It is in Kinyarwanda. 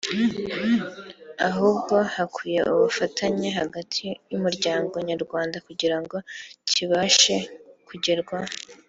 ahubwo hakwiye ubufatanye hagati y’Umuryango Nyarwanda kugira ngo kibashe kugerwaho